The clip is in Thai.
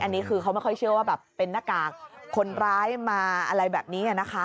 อันนี้คือเขาไม่ค่อยเชื่อว่าแบบเป็นหน้ากากคนร้ายมาอะไรแบบนี้นะคะ